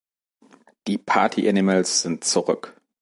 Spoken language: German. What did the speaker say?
Die Party Animals sind zurück!